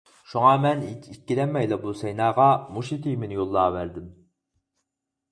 شۇڭا مەن ھېچ ئىككىلەنمەيلا بۇ سەيناغا مۇشۇ تېمىنى يوللاۋەردىم.